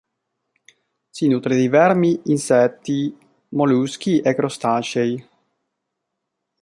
Si nutre di vermi, insetti, molluschi e crostacei.